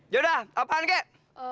yaudah apaan kek